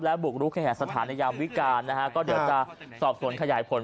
และบุกรุขแห่งสถานยามวิการนะครับก็เดี๋ยวจะสอบสนขยายผล